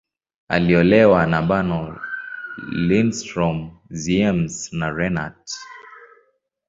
Aliolewa na Bernow, Lindström, Ziems, na Renat.